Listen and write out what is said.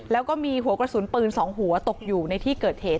แล้วก็มีหัวกระสุนปืน๒หัวตกอยู่ในที่เกิดเหตุ